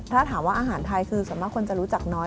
ถ้าถามว่าอาหารไทยคือส่วนมากคนจะรู้จักน้อย